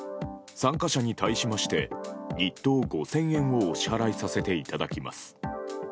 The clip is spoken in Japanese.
参加者に対しまして日当５０００円をお支払いさせていただきます。